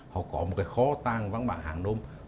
họ có một cái khó tàng vắng bảng hà nội